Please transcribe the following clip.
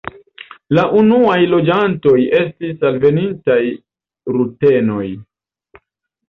La unuaj loĝantoj estis alvenintaj rutenoj.